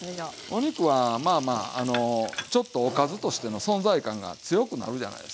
お肉はまあまあちょっとおかずとしての存在感が強くなるじゃないですか。